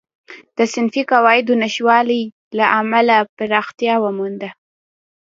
د صنفي قواعدو نشتوالي له امله پراختیا ومونده.